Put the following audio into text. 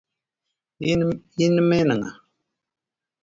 In min ng'a?